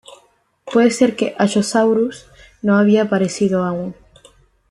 Puede ser que "Allosaurus" no había aparecido aún.